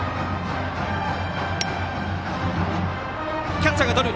キャッチャーがとる。